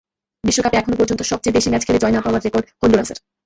বিশ্বকাপে এখনো পর্যন্ত সবচেয়ে বেশি ম্যাচ খেলে জয় না পাওয়ার রেকর্ড হন্ডুরাসের।